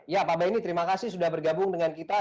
ya pak benny terima kasih sudah bergabung dengan kita